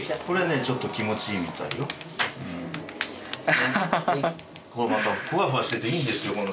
これねちょっと気持ちいいみたいよ。